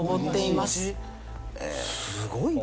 すごいね！